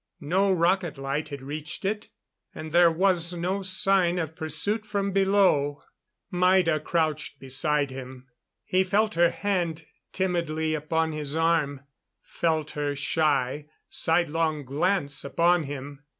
No rocket light had reached it; and there was no sign of pursuit from below. Maida crouched beside him. He felt her hand timidly upon his arm; felt her shy, sidelong glance upon him.